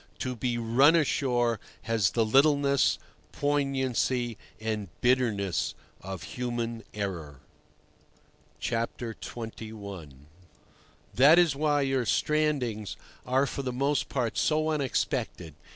To be "run ashore" has the littleness, poignancy, and bitterness of human error. XXI. That is why your "strandings" are for the most part so unexpected.